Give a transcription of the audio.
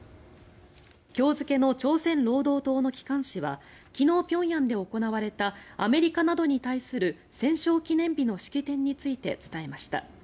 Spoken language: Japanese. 今日付けの朝鮮労働党の機関紙は昨日、平壌で行われたアメリカなどに対する戦勝記念日の式典について伝えました。